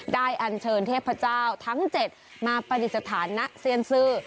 อันเชิญเทพเจ้าทั้ง๗มาปฏิสถานะเซียนซื้อ